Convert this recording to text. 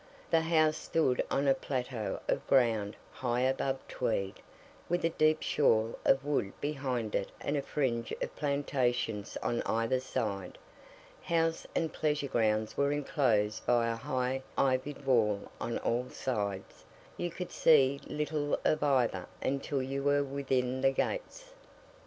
The house stood on a plateau of ground high above Tweed, with a deep shawl of wood behind it and a fringe of plantations on either side; house and pleasure grounds were enclosed by a high ivied wall on all sides you could see little of either until you were within the gates.